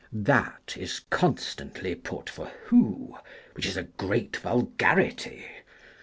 "That" is constantly put for 1 ' who, '' which is a great vulgarity.